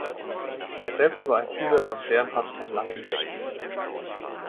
Er selbst war ein Schüler von Bernhard von Langenbeck.